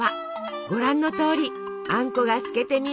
ご覧のとおりあんこが透けて見えるほど。